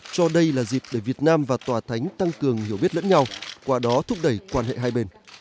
cho đây là dịp để việt nam và tòa thánh tăng cường hiểu biết lẫn nhau qua đó thúc đẩy quan hệ hai bên